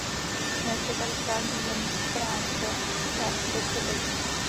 Dnes je katastrální území Stránce částí obce Bečov.